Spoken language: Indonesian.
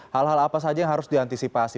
hal hal apa saja yang harus diantisipasi